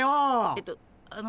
えとあの。